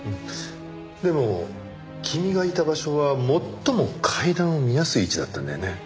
でも君がいた場所は最も階段を見やすい位置だったんだよね。